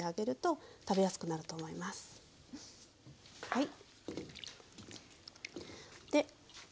はい。